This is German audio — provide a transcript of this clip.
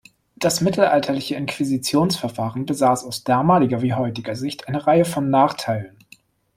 Das mittelalterliche Inquisitionsverfahren besaß aus damaliger wie heutiger Sicht eine Reihe von Nachteilen.